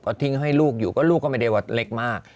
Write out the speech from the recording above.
ทิ้งให้ลูกอยู่ก็ลูกก็ไม่ได้ว่าเล็กมาก